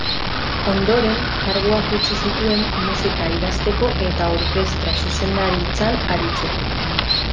Ondoren, karguak utzi zituen musika idazteko eta orkestra-zuzendaritzan aritzeko.